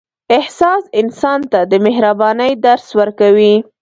احساس انسان ته د مهربانۍ درس ورکوي.